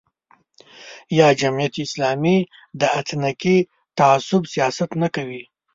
یا جمعیت اسلامي د اتنیکي تعصب سیاست نه کوي.